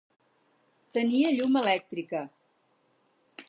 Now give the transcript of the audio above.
Tenia llum elèctrica.